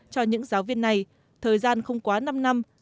cho những giáo viên này thời gian không quá năm năm